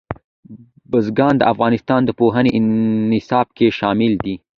بزګان د افغانستان د پوهنې نصاب کې شامل دي.